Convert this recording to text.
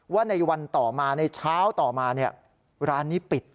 ว่าในวันต่อมาในเช้าต่อมาร้านนี้ปิด